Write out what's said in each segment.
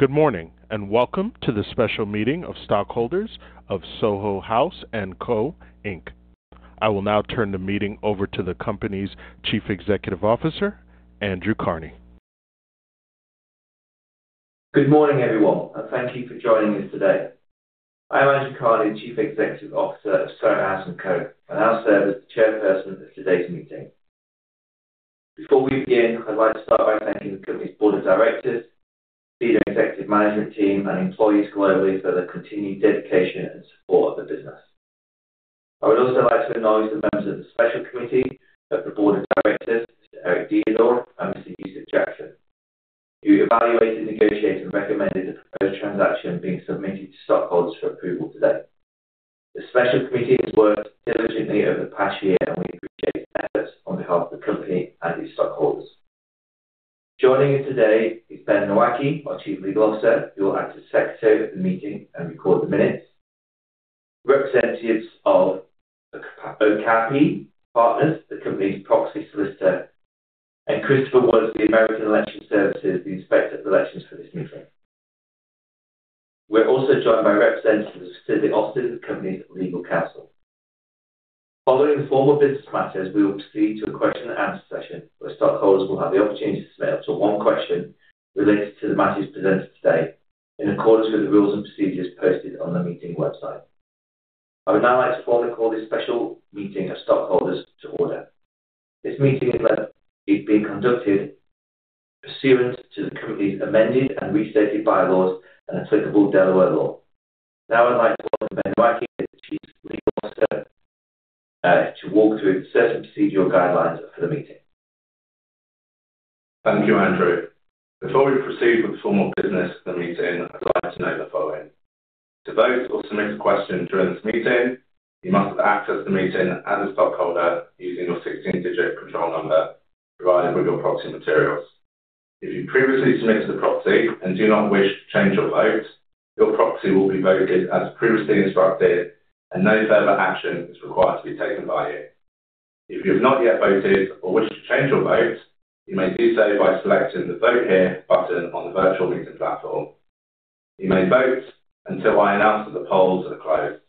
Good morning, and welcome to the special meeting of stockholders of Soho House & Co Inc. I will now turn the meeting over to the company's Chief Executive Officer, Andrew Carnie. Good morning, everyone, and thank you for joining us today. I am Andrew Carnie, Chief Executive Officer of Soho House & Co and I'll serve as the chairperson of today's meeting. Before we begin, I'd like to start by thanking the company's board of directors, the executive management team, and employees globally for their continued dedication and support of the business. I would also like to acknowledge the members of the special committee of the board of directors, Mr. Eric Deardorff and Mr. Yusef Jackson, who evaluated, negotiated, and recommended the proposed transaction being submitted to stockholders for approval today. The special committee has worked diligently over the past year, and we appreciate their efforts on behalf of the company and its stockholders. Joining us today is Ben Nwaeke, our Chief Legal Officer. He will act as secretary of the meeting and record the minutes. Representatives of Okapi Partners, the company's proxy solicitor, and Christopher Woods of American Election Services, the inspector of elections for this meeting. We're also joined by representatives of Sidley Austin, the company's legal counsel. Following formal business matters, we will proceed to a question-and-answer session where stockholders will have the opportunity to submit up to one question related to the matters presented today in accordance with the rules and procedures posted on the meeting website. I would now like to formally call this special meeting of stockholders to order. This meeting is being conducted pursuant to the company's amended and restated bylaws and applicable Delaware law. Now I'd like to welcome Ben Nwaeke, the Chief Legal Officer, to walk through the certain procedural guidelines for the meeting. Thank you, Andrew. Before we proceed with formal business for the meeting, I'd like to note the following: to vote or submit a question during this meeting, you must have accessed the meeting as a stockholder using your 16-digit control number provided with your proxy materials. If you previously submitted a proxy and do not wish to change your vote, your proxy will be voted as previously instructed, and no further action is required to be taken by you. If you have not yet voted or wish to change your vote, you may do so by selecting the "Vote Here" button on the virtual meeting platform. You may vote until I announce that the polls are closed.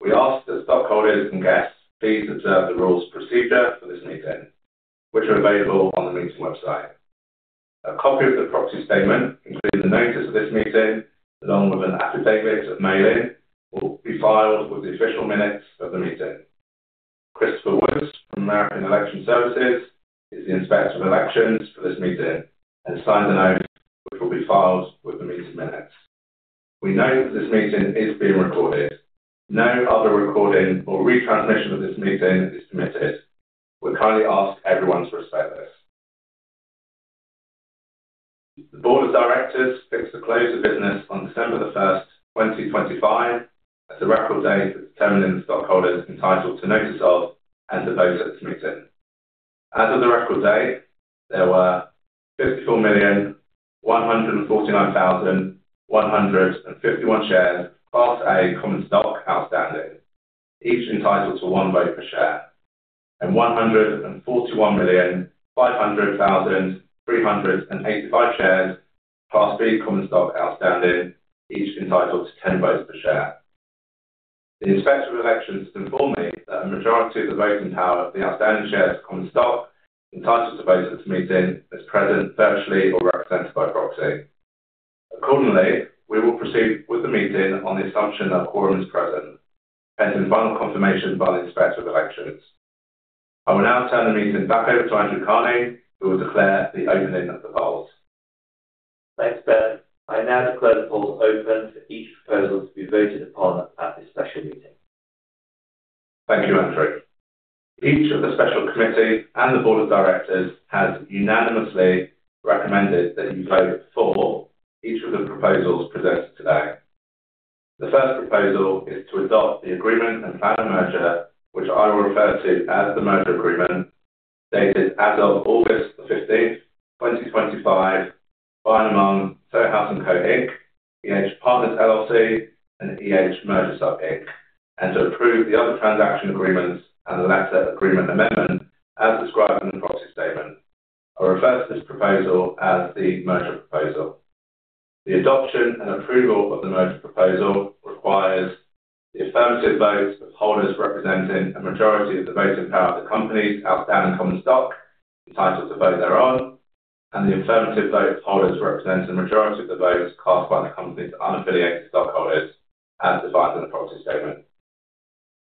We ask that stockholders and guests please observe the rules and procedure for this meeting, which are available on the meeting website. A copy of the proxy statement, including the notice of this meeting, along with an affidavit of mailing, will be filed with the official minutes of the meeting. Christopher Woods from American Election Services is the inspector of elections for this meeting and signed the notes, which will be filed with the meeting minutes. We know that this meeting is being recorded. No other recording or retransmission of this meeting is permitted. We kindly ask everyone to respect this. The board of directors fixed the close of business on December 1, 2025, as the record date for determining the stockholders entitled to notice of and to vote at this meeting. As of the record date, there were 54,149,151 shares Class A Common Stock outstanding, each entitled to one vote per share, and 141,500,385 shares Class B Common Stock outstanding, each entitled to 10 votes per share. The inspector of elections has informed me that a majority of the voting power of the outstanding shares of Common Stock entitled to vote at this meeting is present virtually or represented by proxy. Accordingly, we will proceed with the meeting on the assumption that quorum is present, pending final confirmation by the inspector of elections. I will now turn the meeting back over to Andrew Carnie, who will declare the opening of the polls. Thanks, Ben. I now declare the polls open for each proposal to be voted upon at this special meeting. Thank you, Andrew. Each of the Special Committee and the Board of Directors has unanimously recommended that you vote for each of the proposals presented today. The first proposal is to adopt the Agreement and Plan of Merger, which I will refer to as the Merger Agreement, dated as of August 15, 2025, by and among Soho House & Co Inc., Partners LLC, and Merger Sub Inc., and to approve the other transaction agreements and the Letter Agreement Amendment as described in the proxy statement. I'll refer to this proposal as the Merger Proposal. The adoption and approval of the Merger Proposal requires the affirmative votes of holders representing a majority of the voting power of the company's outstanding common stock entitled to vote thereon, and the affirmative votes of holders representing a majority of the votes cast by the company's unaffiliated stockholders, as defined in the proxy statement.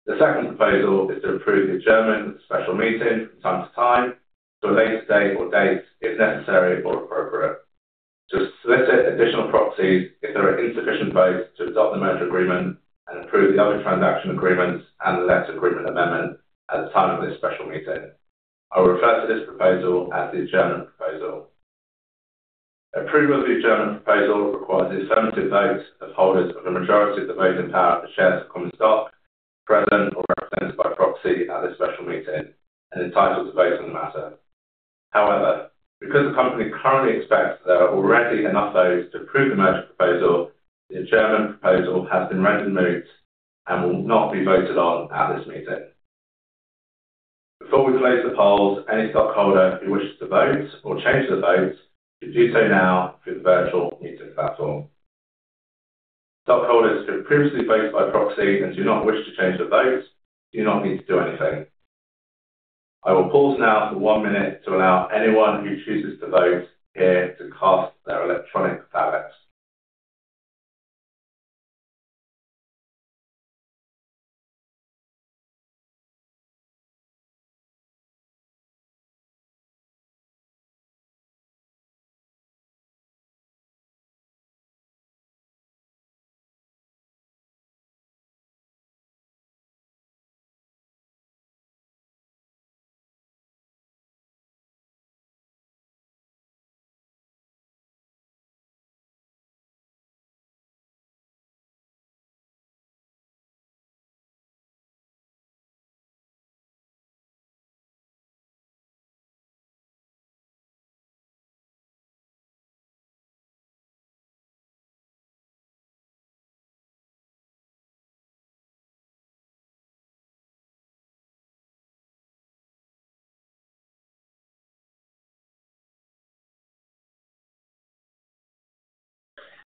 The second proposal is to approve the adjournment of the special meeting from time to time to a later date or dates if necessary or appropriate, to solicit additional proxies if there are insufficient votes to adopt the merger agreement and approve the other transaction agreements and the letter agreement amendment at the time of this special meeting. I'll refer to this proposal as the Adjournment Proposal. Approval of the Adjournment Proposal requires the affirmative votes of holders of a majority of the voting power of the shares of common stock present or represented by proxy at this special meeting and entitled to vote on the matter. However, because the company currently expects that there are already enough votes to approve the merger proposal, the Adjournment Proposal has been rendered moot and will not be voted on at this meeting. Before we close the polls, any stockholder who wishes to vote or change their votes should do so now through the virtual meeting platform. Stockholders who have previously voted by proxy and do not wish to change their votes do not need to do anything. I will pause now for one minute to allow anyone who chooses to vote here to cast their electronic ballot.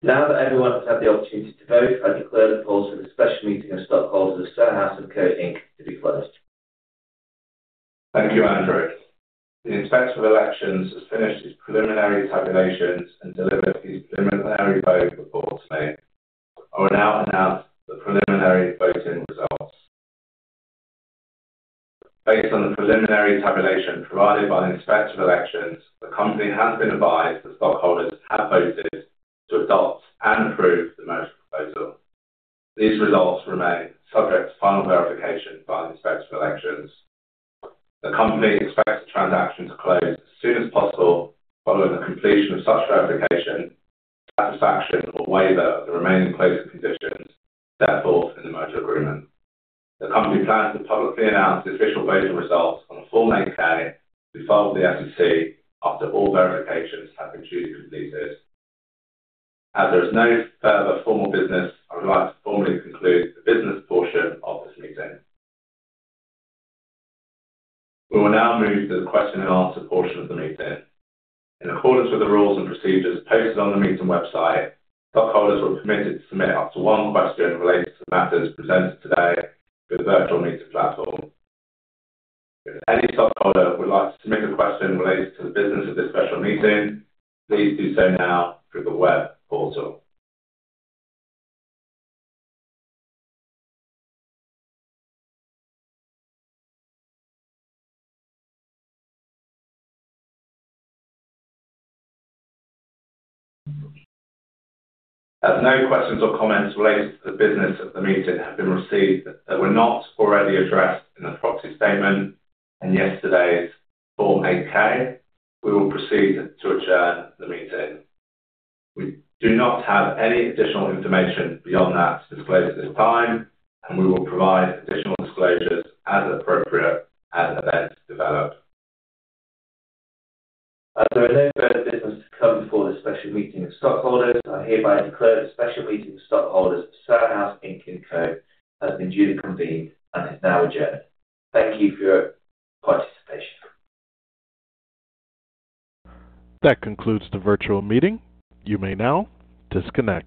Now that everyone has had the opportunity to vote, I declare the polls for the special meeting of stockholders of Soho House & Co Inc. to be closed. Thank you, Andrew. The inspector of elections has finished his preliminary tabulations and delivered his preliminary vote report to me. I will now announce the preliminary voting results. Based on the preliminary tabulation provided by the inspector of elections, the company has been advised that stockholders have voted to adopt and approve the merger proposal. These results remain subject to final verification by the Inspector of Elections. The company expects the transaction to close as soon as possible following the completion of such verification, satisfaction, or waiver of the remaining closing conditions set forth in the merger agreement. The company plans to publicly announce the official voting results on the Form 8-K with the SEC, after all verifications have been duly completed. As there is no further formal business, I would like to formally conclude the business portion of this meeting. We will now move to the question-and-answer portion of the meeting. In accordance with the rules and procedures posted on the meeting website, stockholders were permitted to submit up to one question related to the matters presented today through the virtual meeting platform. If any stockholder would like to submit a question related to the business of this special meeting, please do so now through the web portal. If no questions or comments related to the business of the meeting have been received that were not already addressed in the proxy statement and yesterday's Form 8-K, we will proceed to adjourn the meeting. We do not have any additional information beyond that to disclose at this time, and we will provide additional disclosures as appropriate as events develop. As there is no further business to come before the special meeting of stockholders, I hereby declare the special meeting of stockholders of Soho House & Co. Inc, as convened and is now adjourned. Thank you for your participation. That concludes the virtual meeting. You may now disconnect.